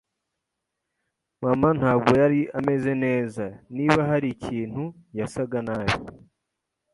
Mama ntabwo yari ameze neza. Niba hari ikintu, yasaga nabi.